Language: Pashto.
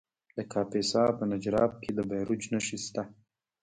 د کاپیسا په نجراب کې د بیروج نښې شته.